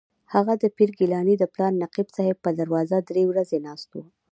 هغه د پیر ګیلاني د پلار نقیب صاحب پر دروازه درې ورځې ناست و.